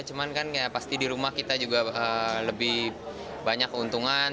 cuman kan ya pasti di rumah kita juga lebih banyak keuntungan